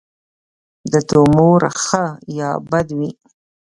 د تومور ښه یا بد وي.